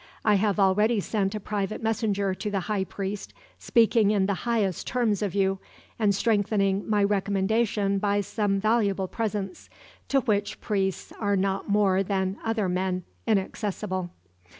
I have already sent a private messenger to the high priest, speaking in the highest terms of you, and strengthening my recommendation by some valuable presents, to which priests are not more than other men inaccessible."